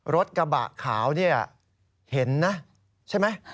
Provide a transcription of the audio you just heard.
รถกระบะขาวเนี่ยเห็นนะใช่ไหม